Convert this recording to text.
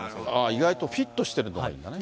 意外とフィットしてるといいんだな。